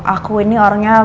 aku ini orangnya